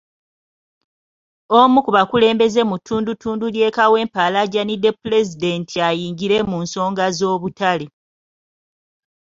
Omu ku bakulembeze mu ttundutundu ly'e Kawempe alaajanidde Pulezidenti ayingire mu nsonga z'obutale.